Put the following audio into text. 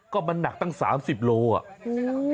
ก็มันหนักตั้ง๓๐กิโลกรัม